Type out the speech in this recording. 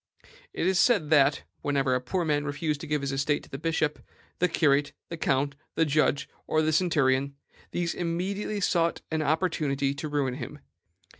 It is said that, whenever a poor man refused to give his estate to the bishop, the curate, the count, the judge, or the centurion, these immediately sought an opportunity to ruin him.